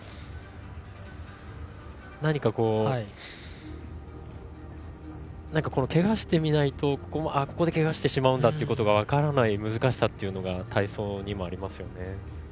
何か、けがをしてみないとここでけがをしてしまうことが分からない難しさが体操にもありますよね。